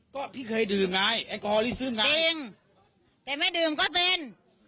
ก็พี่เคยดื่มไงแอลกอฮอลนี่ซื้อไงแต่ไม่ดื่มก็เป็น